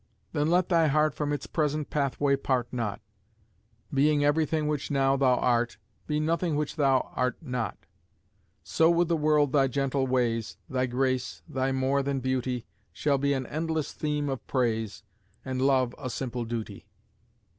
then let thy heart From its present pathway part not; Being everything which now thou art, Be nothing which thou art not. So with the world thy gentle ways, Thy grace, thy more than beauty, Shall be an endless theme of praise, And love a simple duty.